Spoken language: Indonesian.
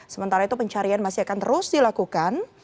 sementara itu pencarian masih akan terus dilakukan